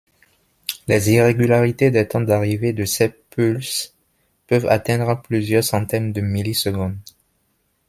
Les irrégularités des temps d'arrivée de ses pulses peuvent atteindre plusieurs centaines de millisecondes.